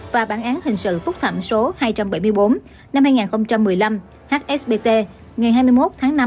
và bản án hình sự phúc thẩm số hai trăm bảy mươi bốn hai nghìn một mươi năm hsbt ngày hai mươi một tháng năm năm hai nghìn một mươi bốn